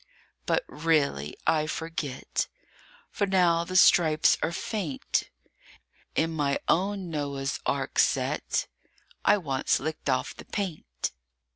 BUT really, I forget, For now the stripes are faint, In my own Noah's Ark set I once licked off the paint.